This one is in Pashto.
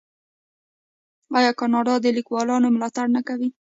آیا کاناډا د لیکوالانو ملاتړ نه کوي؟